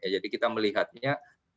jadi kita melihatnya